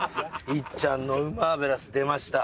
いっちゃんのウマーベラス出ました。